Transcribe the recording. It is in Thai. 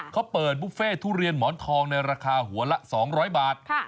เขาเปิดบุฟเฟ่ทุเรียนหมอนทองในราคาหัวละ๒๐๐บาท